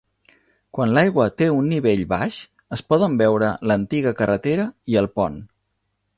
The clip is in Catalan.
Quan l'aigua té un nivell baix, es poden veure l'antiga carretera i el pont.